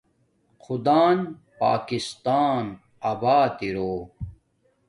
خدان پاکستان ابات اِرو